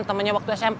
temennya waktu smp